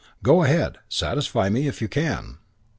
Go ahead. Satisfy me if you can.'